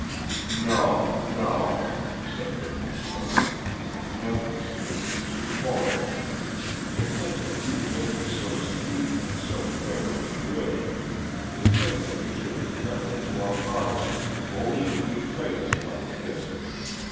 "No, no," said Ravenspur. "Heavens, this is too horrible. To think of you looking so sweet and so fair and good; to think that you should have crept into our hearts only to betray us like this.